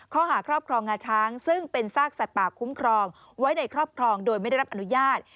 ข้อหาครอบครองงาช้างซึ่งเป็นซากสัตว์ป่าคุ้มครองไว้ในครอบครองโดยไม่ได้รับอนุญาต